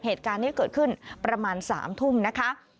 เหตุการณ์นี้เกิดขึ้นประมาณ๓ทุ่มนะคะ